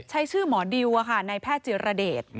ใช้ชื่อหมอดิวอะค่ะในแพทย์เจรเดช